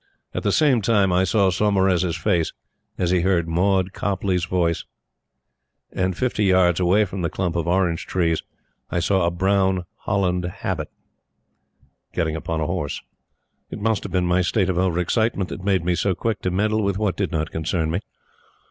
At the same time, I saw Saumarez's face as he heard Maud Copleigh's voice, and fifty yards away from the clump of orange trees I saw a brown holland habit getting upon a horse. It must have been my state of over excitement that made me so quick to meddle with what did not concern me.